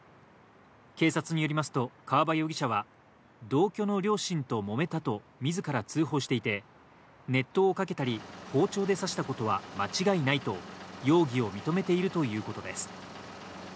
警察によりますと川場容疑者は、同居の両親と揉めたとみずから通報していて熱湯をかけたり包丁で刺したことは間違いないと容疑を認めているということです。